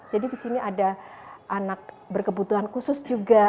jadi di sini ada anak berkebutuhan khusus juga